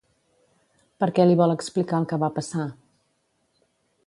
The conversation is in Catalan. Per què li vol explicar el que va passar?